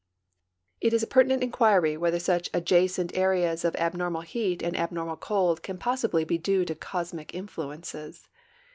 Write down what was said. It is a pertinent inquiry whether such adjacent areas of ab normal heat and abnormal cold can possibly be due to cosmic intluences.